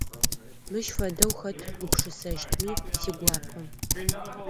Мыщ фэдэу хэт гупшысэщтми сигуапэ.